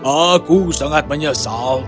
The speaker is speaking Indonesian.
aku sangat menyesal